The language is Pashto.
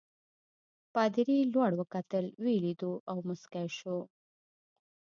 پادري لوړ وکتل ویې لیدو او مسکی شو.